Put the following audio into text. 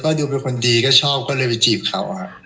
ครับคุณค่ะพี่แจ็คเผ็ดตำไหนอะ